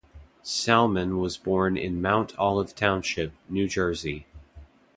Salmon was born in Mount Olive Township, New Jersey.